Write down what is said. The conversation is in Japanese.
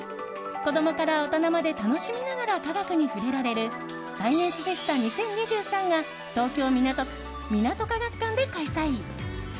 子供から大人まで楽しみながら科学に触れられるサイエンスフェスタ２０２３が東京・港区、みなと科学館で開催。